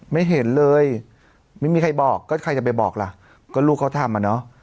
ไม่เห็นเลยไม่มีใครบอกก็ใครจะไปบอกล่ะก็ลูกเขาทำอ่ะเนอะ